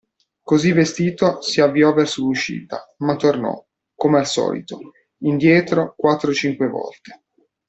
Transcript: Così vestito, si avviò verso l'uscita, ma tornò, come al solito, indietro quattro o cinque volte.